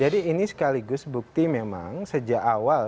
jadi ini sekaligus bukti memang sejak awal